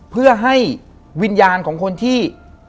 เพื่อให้วิญญาณของคนที่